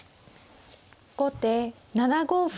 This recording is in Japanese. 後手７五歩。